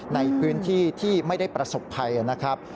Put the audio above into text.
ในพื้นที่ที่ไม่ได้ประสบภัยนะครับ